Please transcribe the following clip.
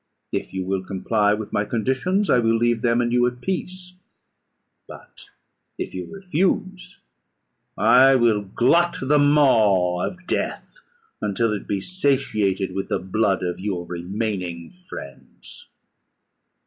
If you will comply with my conditions, I will leave them and you at peace; but if you refuse, I will glut the maw of death, until it be satiated with the blood of your remaining friends."